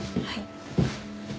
はい。